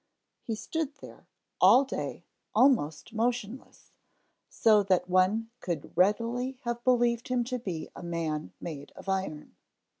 He stood there all day almost motionless, so that one could readily have believed him to be a man made of iron.